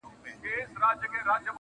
ورخبر یې کړزړګی په لړمانه کي -